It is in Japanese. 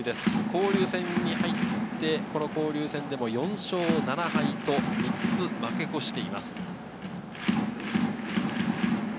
交流戦に入って交流戦でも４勝７敗、３つ負け越しています。